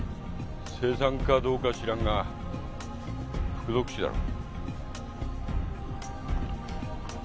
青酸かどうかは知らんが服毒死だろ。